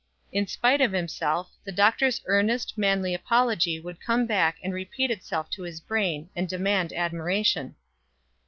In spite of himself, the doctor's earnest, manly apology would come back and repeat itself to his brain, and demand admiration.